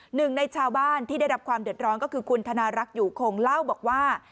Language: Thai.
หนึ่งในชาวบ้านที่ได้รับความเดือดร้อนก็คือคุณธนารักษ์อยู่คงเล่าบอกว่า